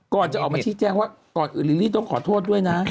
ก่อนจะออกมาชี้แจ้งว่าก่อนอื่นลิลลี่ต้องขอโทษด้วยนะ